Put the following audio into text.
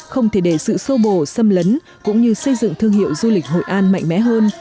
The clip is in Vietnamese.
không thể để sự sô bồ xâm lấn cũng như xây dựng thương hiệu du lịch hội an mạnh mẽ hơn